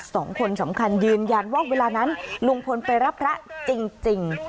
สองคนสำคัญยืนยันว่าเวลานั้นลุงพลไปรับพระจริง